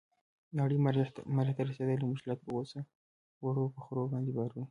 نړۍ مريح ته رسيدلې موږ لا تراوسه وړو په خرو باندې بارونه